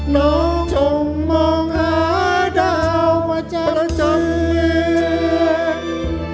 น้องจงมองหาดาวประจำเมือง